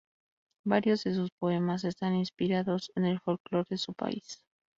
Varios de sus poemas están inspirados en el folclore de su país.